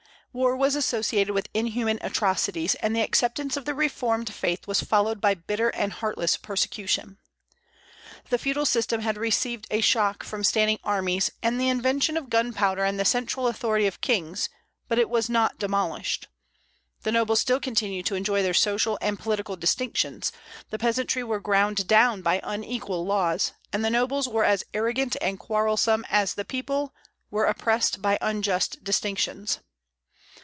War was associated with inhuman atrocities, and the acceptance of the reformed faith was followed by bitter and heartless persecution. The feudal system had received a shock from standing armies and the invention of gunpowder and the central authority of kings, but it was not demolished. The nobles still continued to enjoy their social and political distinctions, the peasantry were ground down by unequal laws, and the nobles were as arrogant and quarrelsome as the people were oppressed by unjust distinctions.